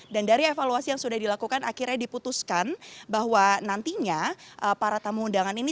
dan dari evaluasi yang sudah dilakukan akhirnya diputuskan bahwa nantinya para tamu undangan ini